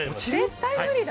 絶対無理だ！